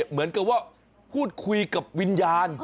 เหมือนกับว่าพูดคุยกับวิญญาณ